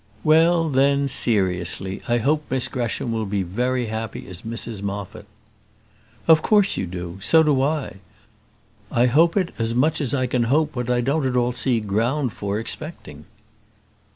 "Well, then, seriously, I hope Miss Gresham will be very happy as Mrs Moffat." "Of course you do: so do I. I hope it as much as I can hope what I don't at all see ground for expecting."